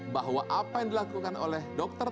bahwa apa yang dilakukan oleh dokter